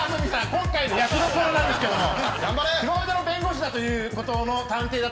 今回の役どころなんですけども。